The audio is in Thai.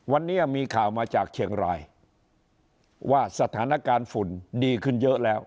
วันนี้มีข่าวมาจากเชียงรายว่าสถานการณ์ฝุ่นดีขึ้นเยอะแล้ว